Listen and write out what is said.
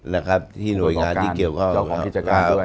นะครับที่หน่วยงานที่เกี่ยวกับ